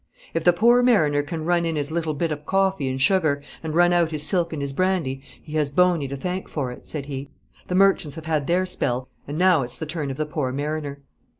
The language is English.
'If the poor mariner can run in his little bit of coffee and sugar, and run out his silk and his brandy, he has Boney to thank for it,' said he. 'The merchants have had their spell, and now it's the turn of the poor mariner.'